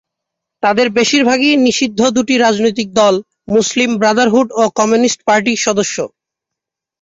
তাদের বেশিরভাগই নিষিদ্ধ দুটি রাজনৈতিক দল মুসলিম ব্রাদারহুড ও কমিউনিস্ট পার্টির সদস্য।